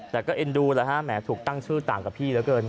แต่ก็เอ็นดูแล้วฮะแหมถูกตั้งชื่อต่างกับพี่เหลือเกิน